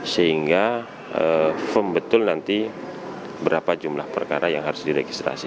sehingga firm betul nanti berapa jumlah perkara yang harus diregistrasi